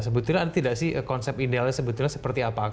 sebetulnya ada tidak sih konsep idealnya sebetulnya seperti apa